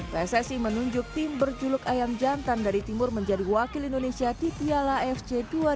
pssi menunjuk tim berjuluk ayam jantan dari timur menjadi wakil indonesia di piala fc